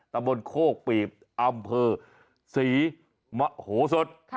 ตะบนโคกปีบอำเภอศรีมโหสด